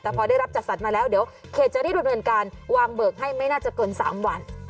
แต่พอได้รับจัดสรรมาแล้วเดี๋ยวเขตจะรีบดำเนินการวางเบิกให้ไม่น่าจะเกิน๓วัน